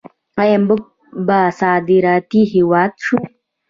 آیا موږ به صادراتي هیواد شو؟